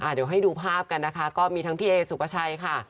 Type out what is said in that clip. เดี๋ยวให้ดูภาพกันนะคะก็มีทั้งพี่เอสุปชัยค่ะ